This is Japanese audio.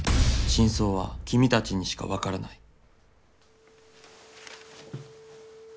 「真相は君たちにしかわからない」。